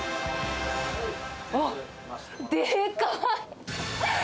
あっ、でかっ！